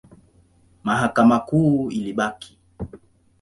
Mahakama Kuu ilibaki.